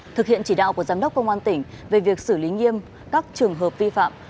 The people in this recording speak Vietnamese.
thực hiện chỉ đạo của giám đốc công an tỉnh về việc xử lý nghiêm các trường hợp vi phạm